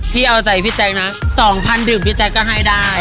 พี่เอาใจพี่แจ๊คนะ๒๐๐ดื่มพี่แจ๊คก็ให้ได้